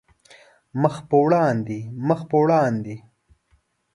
مخ په وړاندې، مخ په وړاندې